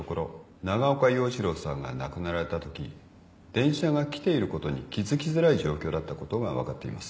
長岡洋一郎さんが亡くなられたとき電車が来ていることに気付きづらい状況だったことが分かっています。